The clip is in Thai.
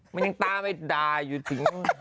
มีนี่ก็ตามตาอยู่สิ